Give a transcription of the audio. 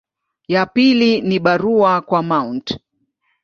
Ya pili ni barua kwa Mt.